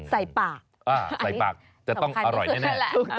ใส่ปากใส่ปากจะต้องอร่อยแน่